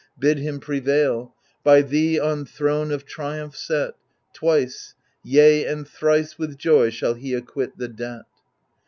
Bid him prevail 1 by thee on throne of triumph set, Twice, yea and thrice with joy shall he acquit the debt.